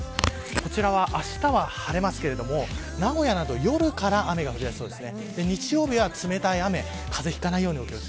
こちらはあしたは晴れますが名古屋など夜から雨が降り出しそうです。